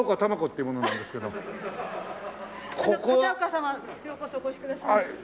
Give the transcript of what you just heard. ようこそお越しくださいました。